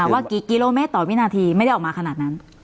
ว่ากิโลเมตรต่อวินาทีไม่ได้ออกมาขนาดนั้น